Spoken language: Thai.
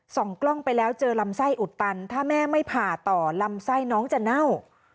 กล่องกล้องไปแล้วเจอลำไส้อุดตันถ้าแม่ไม่ผ่าต่อลำไส้น้องจะเน่า